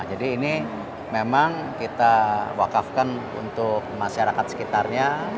jadi ini memang kita wakafkan untuk masyarakat sekitarnya